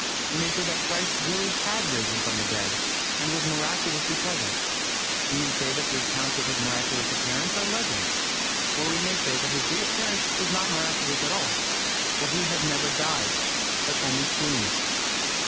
We may say that Christ really had risen from the dead, and was miraculously present; we may say that the accounts of His miraculous appearance are legends; or we may say that His reappearance was not miraculous at all, for He had never died, but only swooned.